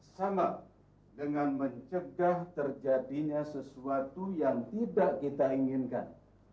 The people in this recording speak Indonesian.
sama dengan mencegah terjadinya sesuatu yang tidak kita inginkan